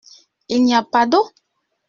Il n’y a pas d’eau ?